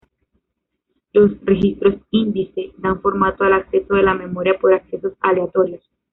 Los registros índice dan formato al acceso de la memoria por accesos aleatorios.